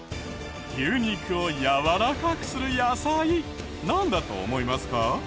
牛肉をやわらかくする野菜なんだと思いますか？